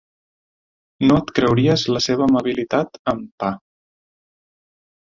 No et creuries la seva amabilitat amb Pa.